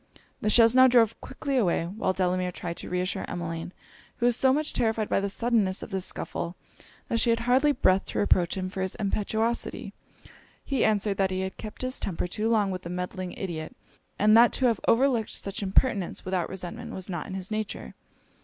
The chaise now drove quickly away; while Delamere tried to reassure Emmeline, who was so much terrified by the suddenness of this scuffle, that she had hardly breath to reproach him for his impetuosity. He answered, that he had kept his temper too long with the meddling ideot, and that to have overlooked such impertinence without resentment was not in his nature.